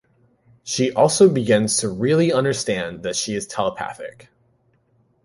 She also begins to really understand that she is telepathic.